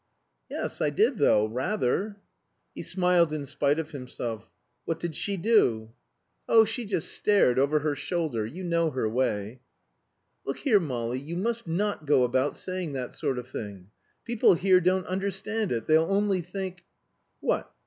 "Yes, I did though rather!" He smiled in spite of himself. "What did she do?" "Oh, she just stared over her shoulder; you know her way." "Look here, Molly, you must not go about saying that sort of thing. People here don't understand it; they'll only think " "What?"